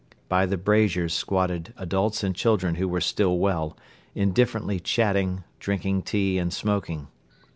By the braziers squatted adults and children who were still well, indifferently chatting, drinking tea and smoking.